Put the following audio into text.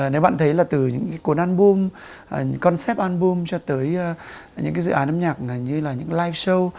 nếu bạn thấy là từ những cái concept album cho tới những cái dự án âm nhạc như là những live show